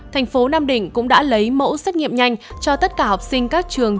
thành phố nam định cũng đã lấy mẫu xét nghiệm nhanh cho tất cả học sinh các trường